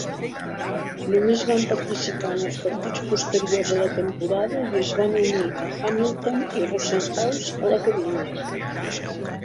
Només van participar en els partits posteriors a la temporada i es van unir a Hamilton i Rosenhaus a la cabina.